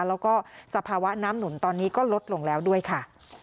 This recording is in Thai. แล้วก็สภาวะน้ำหนุนตอนนี้ก็ลดลงแล้วด้วยค่ะ